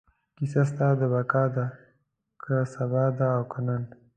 کیسه ستا د بقا ده، که سبا ده او که نن